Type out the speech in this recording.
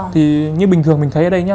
thì như bình thường mình thấy ở đây nha